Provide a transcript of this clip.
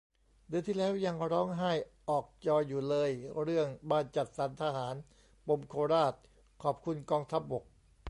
เดือนที่แล้วยังร้องไห้ออกจออยู่เลย เรื่องบ้านจัดสรรทหาร ปมโคราช ขอบคุณกองทัพบก